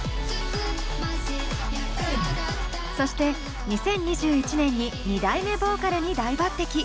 そして２０２１年に２代目ボーカルに大抜てき！